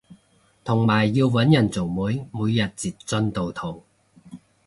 同埋要搵人做媒每日截進度圖